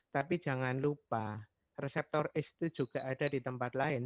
tapi jangan lupa reseptor es itu juga ada di tempat lain